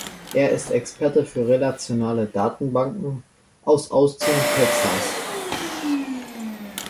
Er ist Experte für Relationale Datenbanken aus Austin, Texas.